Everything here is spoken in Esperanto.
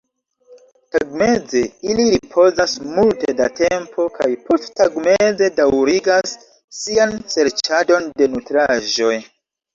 Tagmeze ili ripozas multe da tempo kaj posttagmeze daŭrigas sian serĉadon de nutraĵoj.